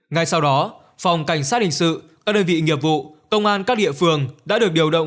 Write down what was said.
ngay sau đó phòng cảnh sát hình sự các đơn vị nghiệp vụ công an các địa phương đã được điều động